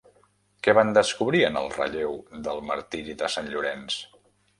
Què van descobrir en el relleu del Martiri de Sant Llorenç?